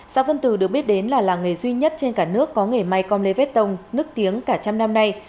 xã vân tử được biết đến là làng nghề duy nhất trên cả nước có nghề may con lê vết tông nức tiếng cả trăm năm nay